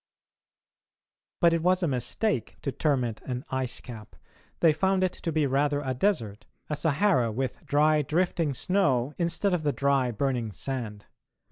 But it was a mistake to term it an ice cap. They found it to be rather a desert, a Sahara with dry drifting snow instead of the dry burning sand.